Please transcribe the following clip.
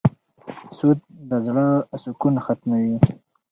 سود د زړه سکون ختموي.